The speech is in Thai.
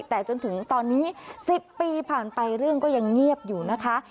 แต่จนถึงตอนนี้๑๐ปีผ่านไปเรื่องก็ยังเงียบอยู่นะคะ